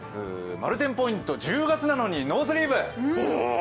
まる天ポイント１０月なのにノースリーブ。